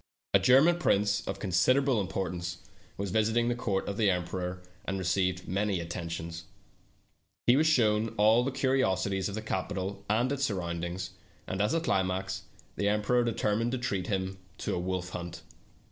152 THE TALKING HANDKERCHIEF. A German prince of considerable importance was visiting the court of the emperor, and received many attentions. He was .shown all the curi osities of the capital and its surroundings, and as a climax, the emperor determined to treat him to a wolf hunt.